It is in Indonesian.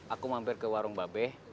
aku mampir ke warung babe